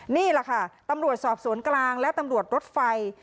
นี่แหละค่ะตำรวจสอบสวนกลางและตำรวจรถไฟ